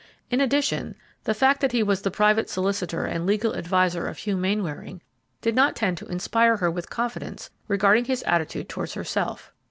In addition, the fact that he was the private solicitor and legal adviser of Hugh Mainwaring did not tend to inspire her with confidence regarding his attitude towards herself.